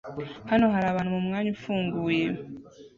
Hano hari abantu mumwanya ufunguye